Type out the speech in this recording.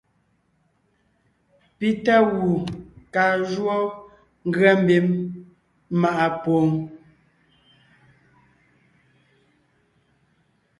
Pi tá gù kaa jǔɔ ngʉa mbím maʼa pwoon.